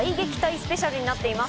スペシャルになっています。